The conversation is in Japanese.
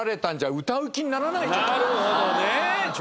なるほどね。